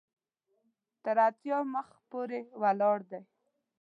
تر اتیا مخ پورې ولاړ دی.